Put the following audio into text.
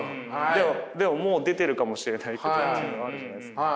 でももう出てるかもしれないけどというのはあるじゃないですか。